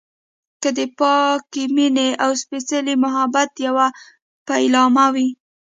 که د پاکې مينې او سپیڅلي محبت يوه پيلامه وي.